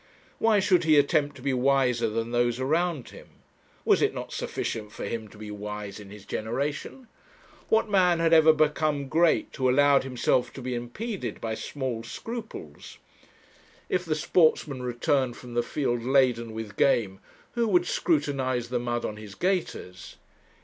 Why should he attempt to be wiser than those around him? Was it not sufficient for him to be wise in his generation? What man had ever become great, who allowed himself to be impeded by small scruples? If the sportsman returned from the field laden with game, who would scrutinize the mud on his gaiters?